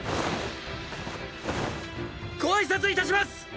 ご挨拶いたします。